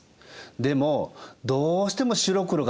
でもどうしても白黒がつかない。